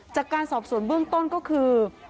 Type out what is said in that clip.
จากการสอบสวนเบื้องต้นก็คือ